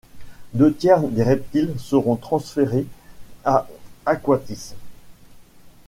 Deux tiers des reptiles seront transféré à Aquatis.